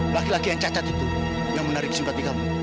laki laki yang cacat itu yang menarik simpati kamu